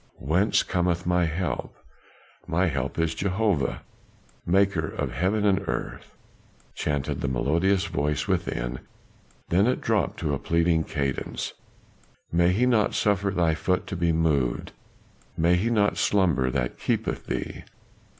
Whence cometh my help? My help is from Jehovah, Maker of heaven and earth," chanted the melodious voice within, then it dropped to a pleading cadence, "May He not suffer thy foot to be moved! May He not slumber that keepeth thee!